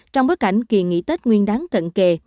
trong bối cảnh kỳ nghỉ tết nguyên đáng cận kề